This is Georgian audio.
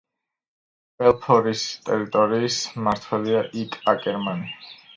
ბელფორის ტერიტორიის მმართველია ივ აკერმანი.